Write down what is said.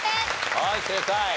はい正解。